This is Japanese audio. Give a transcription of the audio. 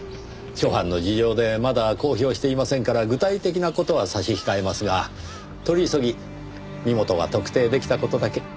諸般の事情でまだ公表していませんから具体的な事は差し控えますが取り急ぎ身元が特定出来た事だけ。